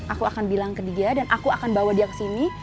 aku akan bilang ke dia dan aku akan bawa dia ke sini